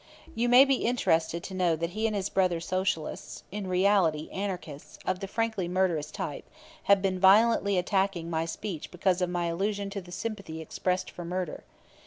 You may be interested to know that he and his brother Socialists in reality anarchists of the frankly murderous type have been violently attacking my speech because of my allusion to the sympathy expressed for murder.